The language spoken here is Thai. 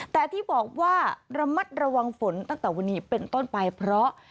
แต่ที่บอกว่าระมัดระวังฝนตั้งแต่วันนี้เป็นต้นไปเพราะ